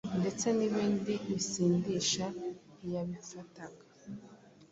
ndetse n’ibindi bisindisha ntiyabifataga